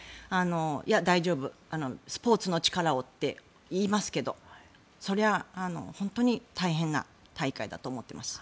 いや、大丈夫スポーツの力をって言いますけどそれは本当に大変な大会だと思っています。